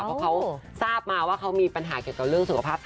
เพราะเขาทราบมาว่าเขามีปัญหาเกี่ยวกับเรื่องสุขภาพ